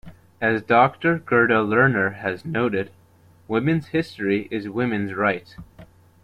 As Doctor Gerda Lerner has noted, 'Women's History is Women's Right.